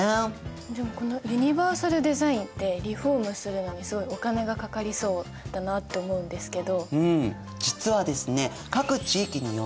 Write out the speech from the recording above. でもこのユニバーサルデザインってリフォームするのにすごいお金がかかりそうだなって思うんですけど。